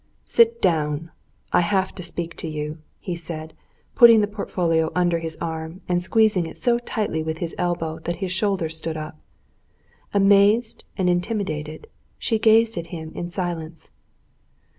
"Sit down! I have to speak to you," he said, putting the portfolio under his arm, and squeezing it so tightly with his elbow that his shoulder stood up. Amazed and intimidated, she gazed at him in silence.